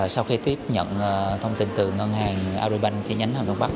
sau khi tiếp nhận thông tin từ ngân hàng agribank chi nhánh hàm thuận bắc